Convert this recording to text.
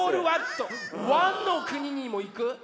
ワンのくににもいく？